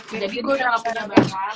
jadi gue udah gak pernah makan